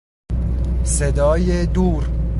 صدای دور